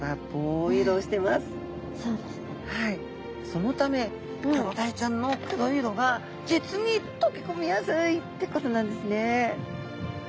そのためクロダイちゃんの黒い色が実に溶け込みやすいってことなんですね。